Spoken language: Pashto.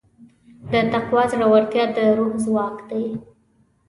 د تقوی زړورتیا د روح ځواک دی.